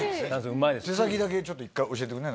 手先だけちょっと一回教えてくんない？